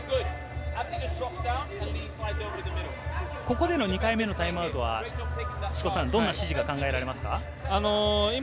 ここでの２回目のタイムアウトはどんな指示が考えられますか？